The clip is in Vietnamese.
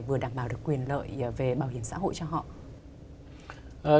vừa đảm bảo được quyền lợi về bảo hiểm xã hội cho họ